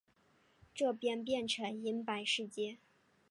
这边变成银白世界